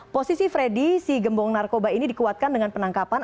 posisi freddy si gembong narkoba ini dikuatkan dengan penangkapan